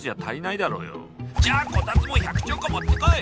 じゃあコタツも１００兆個持ってこい！